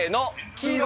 黄色！